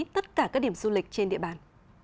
tất cả các điểm du lịch trên địa bàn